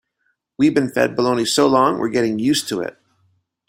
We've been fed baloney so long we're getting used to it.